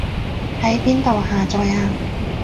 喺邊度下載啊